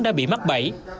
đã bị mắc bẫy